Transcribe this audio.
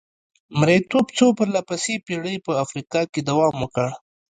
مریتوب څو پرله پسې پېړۍ په افریقا کې دوام وکړ.